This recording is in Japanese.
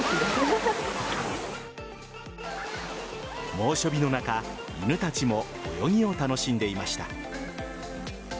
猛暑日の中犬たちも泳ぎを楽しんでいました。